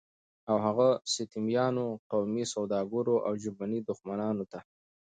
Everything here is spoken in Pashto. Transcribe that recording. او هغو ستمیانو، قومي سوداګرو او ژبني دښمنانو ته